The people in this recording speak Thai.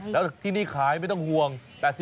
แล้วที่นี่ขายไม่ต้องห่วง